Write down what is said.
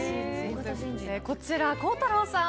こちら、孝太郎さん